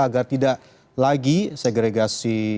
agar tidak lagi segregasi